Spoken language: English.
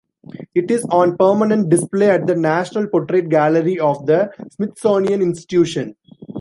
It is on permanent display at the National Portrait Gallery of the Smithsonian Institution.